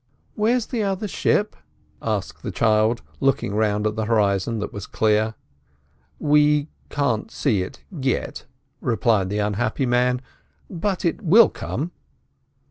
"Where's the other ship?" asked the child, looking round at the horizon that was clear. "We can't see it yet," replied the unhappy man, "but it will come."